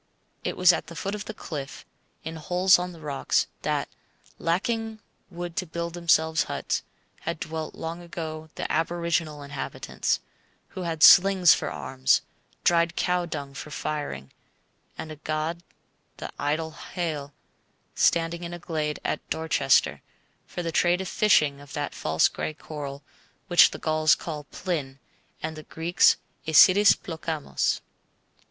It was at the foot of the cliff, in holes in the rocks, that, lacking wood to build themselves huts, had dwelt long ago the aboriginal inhabitants, who had slings for arms, dried cow dung for firing, for a god the idol Heil standing in a glade at Dorchester, and for trade the fishing of that false gray coral which the Gauls called plin, and the Greeks isidis plocamos.